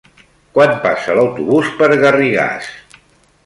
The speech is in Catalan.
Quan passa l'autobús per Garrigàs?